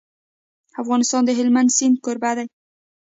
افغانستان د هلمند سیند کوربه دی.